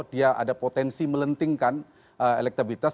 dia ada potensi melentingkan elektabilitas